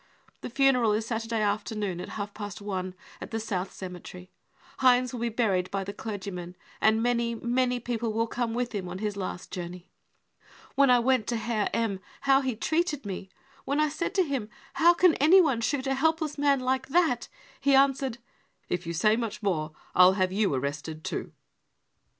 The funeral is Saturday afternoon at half past one, at the South Cemetery. * Heinz . will be buried by the clergyman, and many, 320 brown book of the hitler terror many people will come with him on his last journev V wcnt u t0 Herr he treated me ! When I aid to him, how can anyone shoot a helpless man like 5 e amwered :' you say much more, I'll have you arrested too